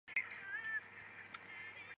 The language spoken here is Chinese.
随后倪玉兰开始上访。